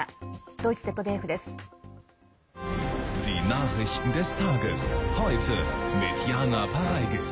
ドイツＺＤＦです。